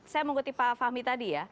saya mau ketipa fahmi tadi ya